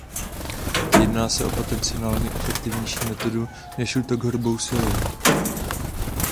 Jedná se o potenciálně efektivnější metodu než útok hrubou silou.